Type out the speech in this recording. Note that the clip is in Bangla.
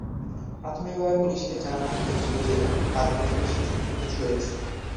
প্রাথমিকভাবে, পুলিশকে জানানো হয়েছিল যে একটি পাঁচ বছরের শিশু নিখোঁজ হয়েছে।